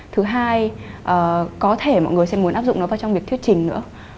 thứ hai có thể mọi người sẽ muốn áp dụng nó vào trong việc thuyết trình nữa